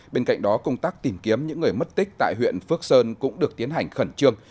bên cạnh đó công tác tìm kiếm những người mất tích tại huyện phước sơn cũng được tiến hành khẩn trương